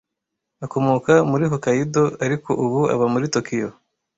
Akomoka muri Hokkaido, ariko ubu aba muri Tokiyo.